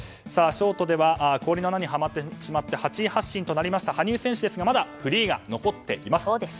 ショートでは氷の穴にはまってしまって８位発進となりました羽生選手ですがまだフリーが残っています。